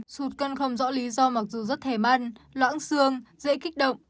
sụt cân không rõ lý do mặc dù rất thèm ăn loãng xương dễ kích động